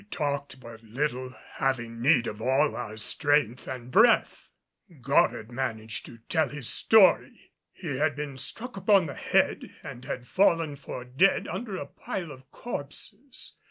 We talked but little, having need of all our strength and breath. Goddard managed to tell his story. He had been struck upon the head and had fallen for dead under a pile of corpses.